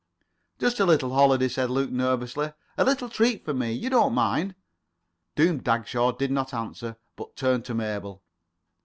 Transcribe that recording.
"Just a little holiday," said Luke nervously, "a little treat for me. You don't mind?" Doom Dagshaw did not answer him, but turned to Mabel.